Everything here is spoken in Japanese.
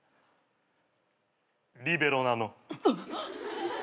リベロなの。